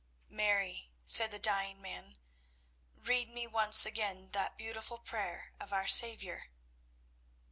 "Mary," said the dying man, "read me once again that beautiful prayer of our Saviour."